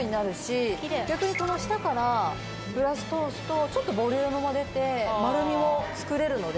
逆にこの下からブラシ通すとちょっとボリュームも出て丸みも作れるので。